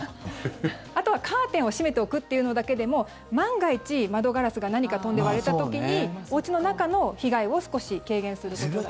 あとはカーテンを閉めておくっていうのだけでも万が一、窓ガラスが何か飛んで割れた時におうちの中の被害を少し軽減することくらい。